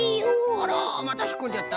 あらまたひっこんじゃった。